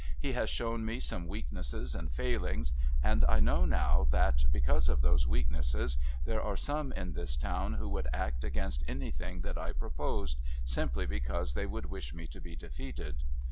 He has shown me some weaknesses and failings, and I know now that, because of those weaknesses, there are some in this town who would act against anything that I proposed, simply because they would wish me to be defeated.